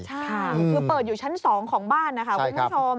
ใช่ค่ะคือเปิดอยู่ชั้น๒ของบ้านนะคะคุณผู้ชม